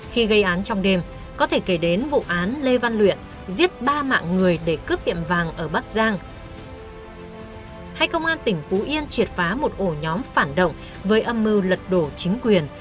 khi công an tỉnh phú yên triệt phá một ổ nhóm phản động với âm mưu lật đổ chính quyền